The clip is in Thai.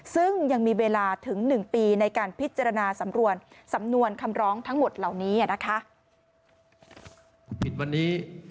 ซึ่งยังมีเวลาถึง๑ปีในการพิจารณาสำนวนคำร้องทั้งหมดเหล่านี้นะคะ